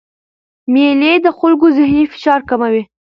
مېلې د خلکو ذهني فشار کموي.